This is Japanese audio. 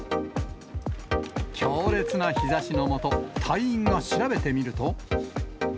強烈な日ざしの下、隊員が調べてみると。